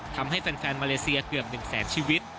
ทำให้แฟนมาเลเซียเกือบ๑แสนชีวิต